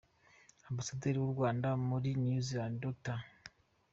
Amabasaderi w’u Rwanda muri New Zealand, Dr.